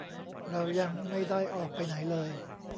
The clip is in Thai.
เรายังไม่ได้ออกไปไหนเลย